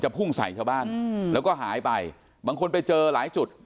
พุ่งใส่ชาวบ้านแล้วก็หายไปบางคนไปเจอหลายจุด